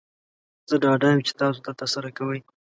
زه ډاډه یم چې تاسو دا ترسره کوئ.